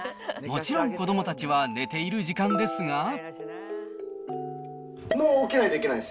もちろん子どもたちは寝ている時間ですが。